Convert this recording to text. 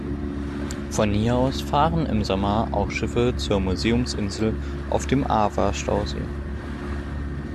Von hier aus fahren im Sommer auch Schiffe zur Museumsinsel auf dem Arwa-Stausee.